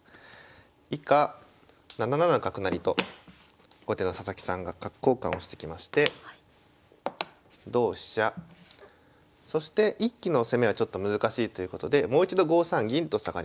以下７七角成と後手の佐々木さんが角交換をしてきまして同飛車そして一気の攻めはちょっと難しいということでもう一度５三銀と下がりました。